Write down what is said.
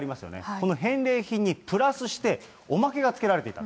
この返礼品にプラスして、おまけがつけられていた。